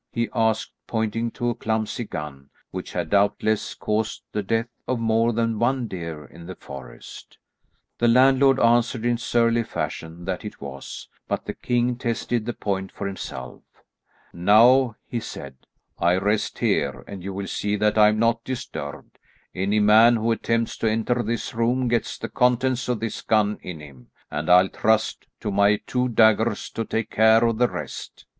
he asked, pointing to a clumsy gun, which had doubtless caused the death of more than one deer in the forest. The landlord answered in surly fashion that it was, but the king tested the point for himself. "Now," he said, "I rest here, and you will see that I am not disturbed. Any man who attempts to enter this room gets the contents of this gun in him, and I'll trust to my two daggers to take care of the rest."